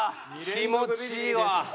気持ちいいわ。